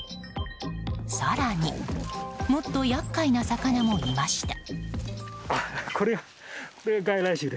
更に、もっと厄介な魚もいました。